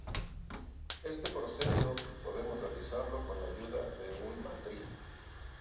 Este proceso podemos realizarlo con ayuda de un mandril.